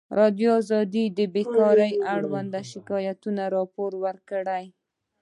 ازادي راډیو د بیکاري اړوند شکایتونه راپور کړي.